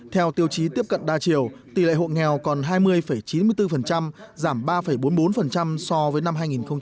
theo tiêu chí tiếp cận đa chiều tỷ lệ hộ nghèo còn hai mươi chín mươi bốn giảm ba bốn mươi bốn so với năm hai nghìn một mươi tám